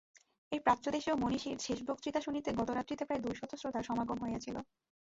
এই প্রাচ্যদেশীয় মনীষীর শেষ বক্তৃতা শুনিতে গত রাত্রিতে প্রায় দুইশত শ্রোতার সমাগম হইয়াছিল।